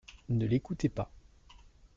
Ne l’écoutez pas.